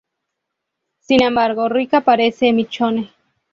Sin embargo Rick aparece Michonne.